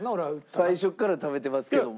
最初から食べてますけども。